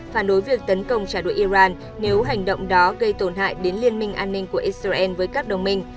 phản đối việc tấn công trả đũa iran nếu hành động đó gây tổn hại đến liên minh an ninh của israel với các đồng minh